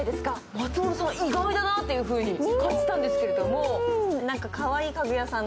松本さん、意外だなというふうに感じたんですけれども。